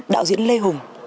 đạo diễn lê hùng